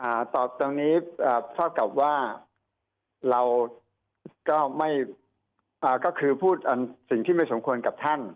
อ่าตอบตรงนี้พบกับว่าเราก็คือพูดสิ่งที่ไม่สมควรกับท่าน